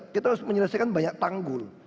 kita harus menyelesaikan banyak tanggul